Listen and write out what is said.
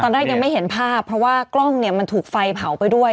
แรกยังไม่เห็นภาพเพราะว่ากล้องเนี่ยมันถูกไฟเผาไปด้วย